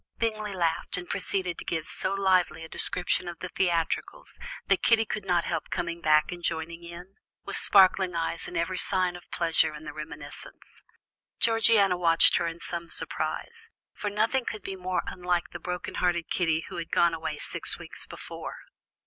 Bingley laughed, and proceeded to give so lively a description of the theatricals, that Kitty could not help coming back and joining in, with sparkling eyes and every sign of pleasure in the reminiscence. Georgiana watched her in some surprise, for nothing could be more unlike the broken hearted Kitty who had gone away six weeks before.